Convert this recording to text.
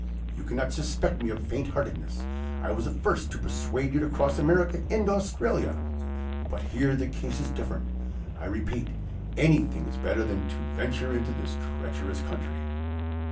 You cannot suspect me of faint heartedness. I was the first to persuade you to cross America and Australia. But here the case is different. I repeat, anything is better than to venture into this treacherous country."